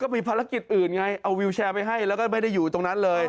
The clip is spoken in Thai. มีภารกิจอื่นไงเอาวิวแชร์ไปให้แล้วก็ไม่ได้อยู่ตรงนั้นเลย